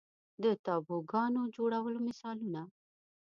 د تابوګانو جوړولو مثالونه